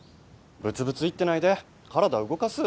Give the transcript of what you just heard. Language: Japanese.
ブツブツ言ってないで体動かす。